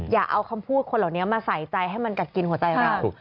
อย่าเอาคำพูดคนเหล่านี้มาใส่ใจให้มันกัดกินหัวใจเรา